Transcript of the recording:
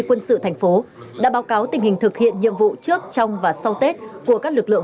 quân sự thành phố đã báo cáo tình hình thực hiện nhiệm vụ trước trong và sau tết của các lực lượng